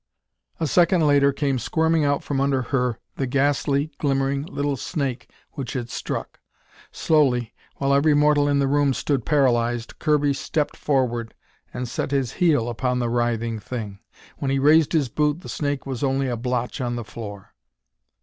A second later came squirming out from under her the ghastly, glimmering little snake which had struck. Slowly, while every mortal in the room stood paralyzed, Kirby stepped forward and set his heel upon the writhing thing. When he raised his boot, the snake was only a blotch on the floor.